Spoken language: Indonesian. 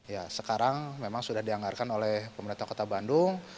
ya sekarang memang sudah dianggarkan oleh pemerintah kota bandung